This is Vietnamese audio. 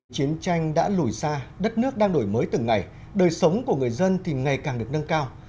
chiến tranh đã lùi xa đất nước đang đổi mới từng ngày đời sống của người dân thì ngày càng được nâng cao